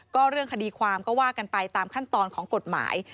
ก็เรื่องคดีความก็ว่ากันไปตามขั้นตอนของกฎหมาย